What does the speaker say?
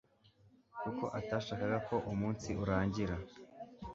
kuko atashakaga ko umunsi urangira